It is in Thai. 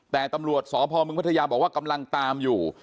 แต่ตำรวจสพมพัทยาบอกว่ากำลังตามอยู่